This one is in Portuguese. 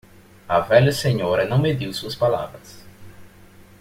A velha senhora não mediu suas palavras.